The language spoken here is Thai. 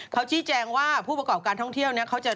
เขาชี้แจงว่าผู้ประกอบการท่องเที่ยวเนี่ยเขาจะ